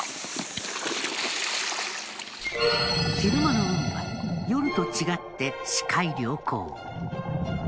昼間の海は夜と違って視界良好。